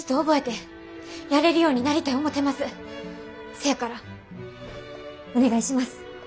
せやからお願いします。